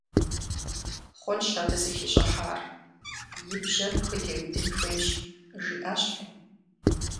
Хъунщ абы зэхищӀыхьар, и бжьэр хутеудын хуейщ, – жиӀащ лӏым.